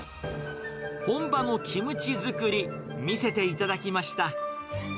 本場のキムチ作り、見せていただきました。